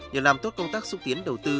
nhờ làm tốt công tác xúc tiến đầu tư